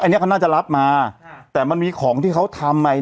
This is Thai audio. อันนี้เขาน่าจะรับมาแต่มันมีของที่เขาทำใหม่